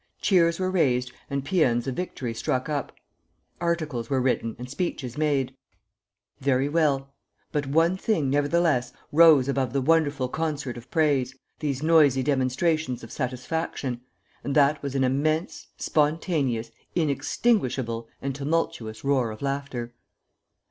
Cheers were raised and pæans of victory struck up. Articles were written and speeches made. Very well. But one thing, nevertheless, rose above the wonderful concert of praise, these noisy demonstrations of satisfaction; and that was an immense, spontaneous, inextinguishable and tumultuous roar of laughter.